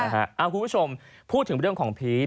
คุณผู้ชมพูดถึงเรื่องของพีช